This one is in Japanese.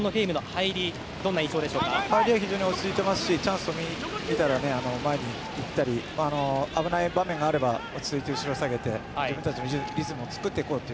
入りは非常に落ち着いていますしチャンスと見たら前にいったり危ない場面があれば落ち着いて後ろに下げて自分たちのリズムにしようと。